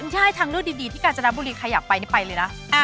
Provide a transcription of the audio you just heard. ใช่ทางเลือกดีที่กาญจนบุรีใครอยากไปนี่ไปเลยนะ